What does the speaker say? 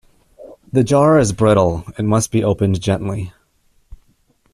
The jar is brittle it must be opened gently.